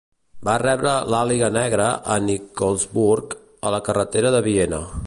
Va rebre l'Àliga Negra a Nikolsburg, a la carretera de Viena.